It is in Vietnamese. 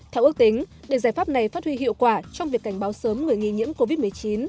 theo ước tính để giải pháp này phát huy hiệu quả trong việc cảnh báo sớm người nghi nhiễm covid một mươi chín